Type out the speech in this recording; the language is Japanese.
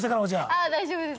あ大丈夫です。